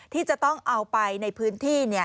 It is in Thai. ที่จะต้องเอาไปในพื้นที่